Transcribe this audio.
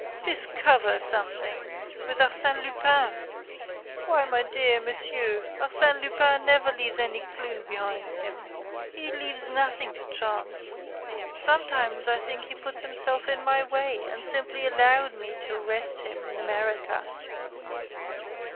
"Discover something with Arsène Lupin! Why, my dear monsieur, Arsène Lupin never leaves any clue behind him. He leaves nothing to chance. Sometimes I think he put himself in my way and simply allowed me to arrest him in America."